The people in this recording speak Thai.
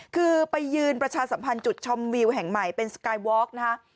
คือไปยืนประชาสัมพันธ์จุดชมวิวแห่งใหม่เป็นสกายวอล์กนะฮะ